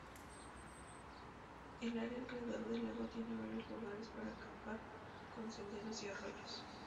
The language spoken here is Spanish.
El área alrededor del lago tiene varios lugares para acampar con senderos y arroyos.